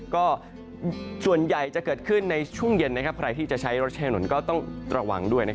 ก็ส่วนใหญ่จะเกิดขึ้นในช่วงเย็นใครที่จะใช้รถใช้ถนนก็ต้องระวังด้วย